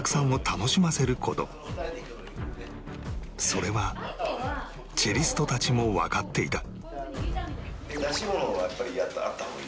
それはチェリストたちもわかっていた